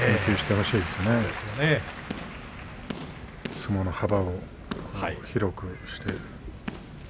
相撲の幅を広くして。